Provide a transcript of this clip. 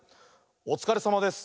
「おつかれさまです」。